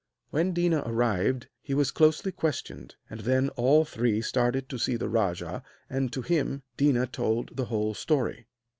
When Déna arrived he was closely questioned, and then all three started to see the rajah, and to him Déna told the whole story.